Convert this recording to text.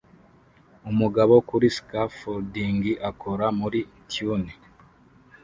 Umugabo kuri scafolding akora muri tunnel